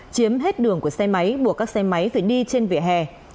chiếm hết đường của xe máy buộc các xe máy phải đi trên vỉa hè